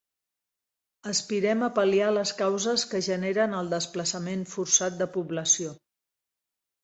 Aspirem a pal·liar les causes que generen el desplaçament forçat de població.